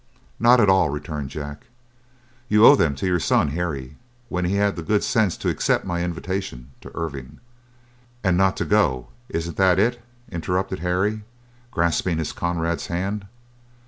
"Not at all," returned Jack. "You owe them to your son Harry, when he had the good sense to accept my invitation to Irvine." "And not to go, isn't that it?" interrupted Harry, grasping his comrade's hand.